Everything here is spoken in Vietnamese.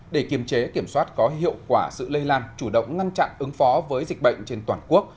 để kiềm chế kiểm soát có hiệu quả sự lây lan chủ động ngăn chặn ứng phó với dịch bệnh trên toàn quốc